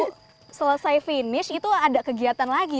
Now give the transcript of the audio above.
kalau selesai finish itu ada kegiatan lagi